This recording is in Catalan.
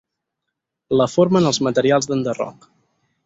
La formen els materials d'enderroc.